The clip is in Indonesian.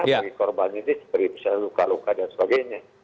bagi korban ini seperti misalnya luka luka dan sebagainya